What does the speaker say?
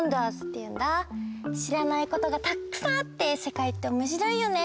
しらないことがたっくさんあってせかいっておもしろいよね。